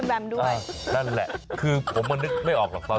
อ่านั่นละคือผมมันนึกไม่ออกหรอกตอน๑๕